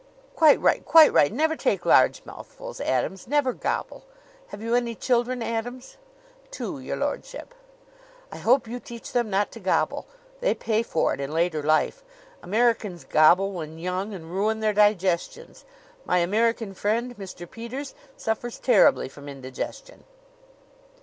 "Quite right quite right! Never take large mouthfuls, Adams. Never gobble. Have you any children, Adams?" "Two, your lordship." "I hope you teach them not to gobble. They pay for it in later life. Americans gobble when young and ruin their digestions. My American friend, Mr. Peters, suffers terribly from indigestion."